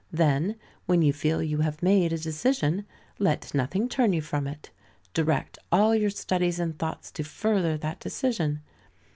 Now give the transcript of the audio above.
Then, when you feel you have made a decision, let nothing turn you from it. Direct all your studies and thoughts to further that decision.